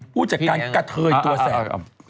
ผู้จัดการกะเทยตัวแสบ